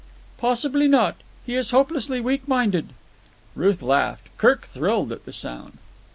"Possibly not. He is hopelessly weak minded." Ruth laughed. Kirk thrilled at the sound.